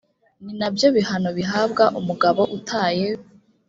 ni na byo bihano bihabwa umugabo utaye